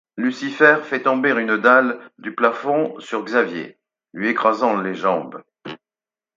Lucifer fait tomber une dalle du plafond sur Xavier, lui écrasant les jambes.